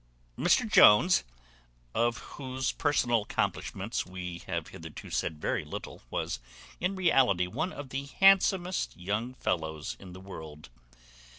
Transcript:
Mr Jones, of whose personal accomplishments we have hitherto said very little, was, in reality, one of the handsomest young fellows in the world.